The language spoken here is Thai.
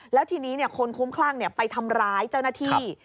แล้วทีนี้คนคุ้มคลั่งไปทำร้ายเจ้าหน้าที่